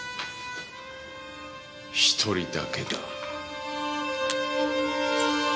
１人だけだ。